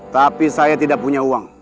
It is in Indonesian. tapi saya tidak punya uang